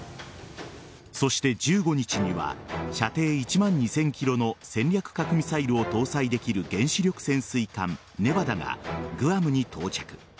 そして１５日には射程１万２０００ｋｍの戦略核ミサイルを搭載できる原子力潜水艦「ネバダ」がグアムに到着。